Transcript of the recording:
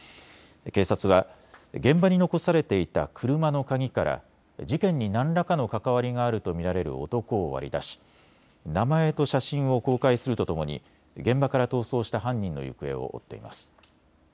警察は現場に残されていた車の鍵から事件に何らかの関わりがあると見られる男を割り出し、名前と写真を公開するとともに現場から逃走した犯人の行方を追っています。